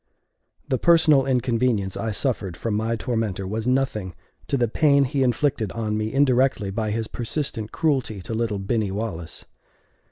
The personal inconvenience I suffered from my tormentor was nothing to the pain he inflicted on me indirectly by his persistent cruelty to little Binny Wallace.